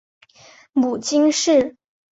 母金氏。